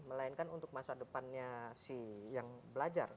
melainkan untuk masa depannya si yang belajar